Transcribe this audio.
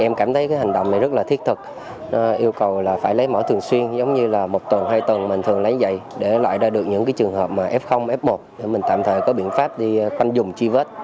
em cảm thấy cái hành động này rất là thiết thực yêu cầu là phải lấy mẫu thường xuyên giống như là một tuần hai tuần mình thường lấy dày để loại ra được những trường hợp mà f f một để mình tạm thời có biện pháp đi khoanh dùng truy vết